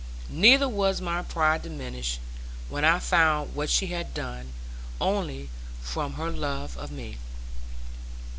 Neither was my pride diminished, when I found what she had done, only from her love of me.